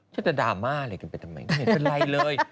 ซักตัดรามาอะไรเป็นมั๊ยงิ่งเป็นไรเลย